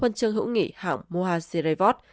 huân chương hữu nghị hạng moha sirevot